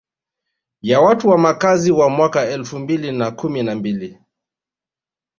Ya watu na makazi ya mwaka elfu mbili na kumi na mbili